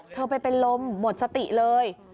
เธอไปเป็นลมหมดสติเลย